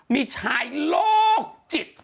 มีชายโรคจิต